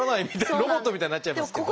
ロボットみたいになっちゃいますけど。